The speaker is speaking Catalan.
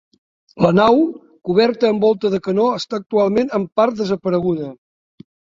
La nau, coberta amb volta de canó està actualment en part desapareguda.